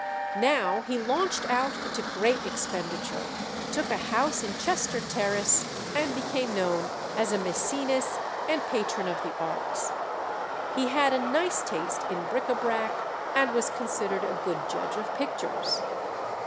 Now he launched out into great expenditure, took a house in Chester Terrace, and became known as a Mæcenas and patron of the arts. He had a nice taste in bric à brac, and was considered a good judge of pictures.